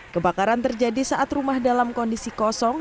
kebakaran terjadi saat rumah dalam kondisi kosong